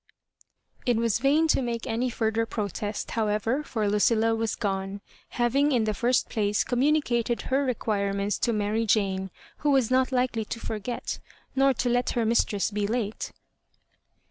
It was vain to make any further protest, how ever, for Lucilla was gone, having, in the first place, communicated .her requirements to Mary Jane, who was not likely to forget, nor to let her mistress be late.